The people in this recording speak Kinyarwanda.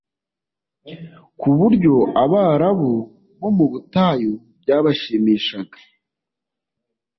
ku buryo Abarabu bo mu butayu byabashimishaga